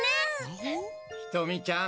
ひとみちゃん